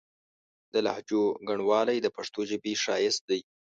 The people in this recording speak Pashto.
د لهجو ګڼوالی د پښتو ژبې ښايست دی.